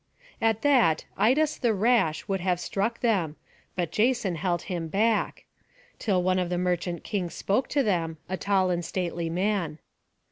At that Idas the rash would have struck them; but Jason held him back, till one of the merchant kings spoke to them, a tall and stately man.